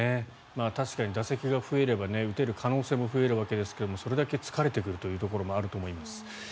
確かに打席が増えれば打てる可能性も増えるわけですがそれだけ疲れてくるというところもあると思います。